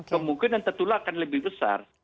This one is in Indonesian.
kemungkinan tertular akan lebih besar